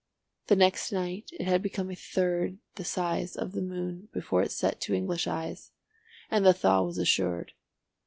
The next night it had become a third the size of the moon before it set to English eyes, and the thaw was assured.